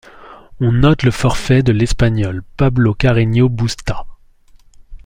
On note le forfait de l'Espagnol Pablo Carreño Busta.